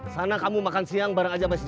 sana kamu makan siang bareng aja sama si dengo